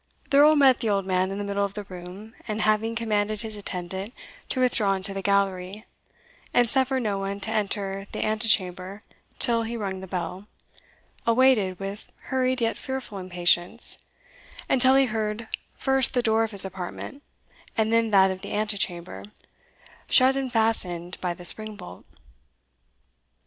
The Earl met the old man in the middle of the room, and having commanded his attendant to withdraw into the gallery, and suffer no one to enter the antechamber till he rung the bell, awaited, with hurried yet fearful impatience, until he heard first the door of his apartment, and then that of the antechamber, shut and fastened by the spring bolt.